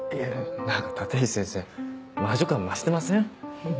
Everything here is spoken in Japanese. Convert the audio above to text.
何か立石先生魔女感増してません？